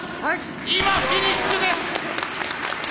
今フィニッシュです！